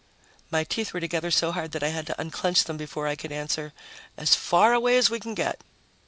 My teeth were together so hard that I had to unclench them before I could answer, "As far away as we can get."